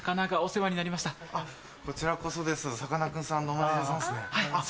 こちらこそです。